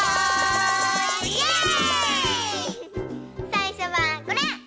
さいしょはこれ！